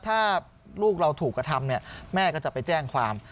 ถ้าลูกเราถูกกระทำเนี่ยแม่ก็จะไปแจ้งความ